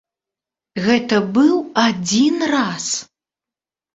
Гэта быў адзін раз!